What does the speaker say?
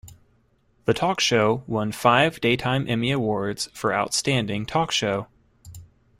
The talk show won five Daytime Emmy Awards for Outstanding Talk Show.